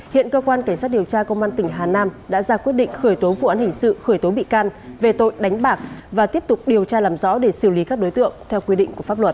hiện cơ quan cảnh sát điều tra công an tỉnh hà nam đã ra quyết định khởi tố vụ án hình sự khởi tố bị can về tội đánh bạc và tiếp tục điều tra làm rõ để xử lý các đối tượng theo quy định của pháp luật